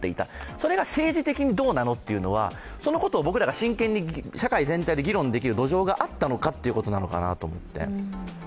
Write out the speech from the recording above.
それが政治的にどうなのというのは、そのことを僕らが社会全体で真剣に議論できる土壌があったのかということなのかなと思って。